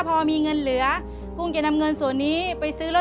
เปลี่ยนเพลงเพลงเก่งของคุณและข้ามผิดได้๑คำ